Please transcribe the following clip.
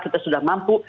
kita sudah mampu